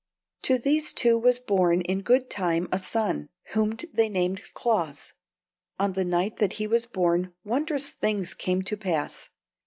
To these two was born in good time a son, whom they named Claus. On the night that he was born wondrous things came to pass.